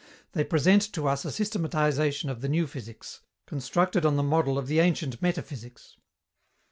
They present to us a systematization of the new physics, constructed on the model of the ancient metaphysics.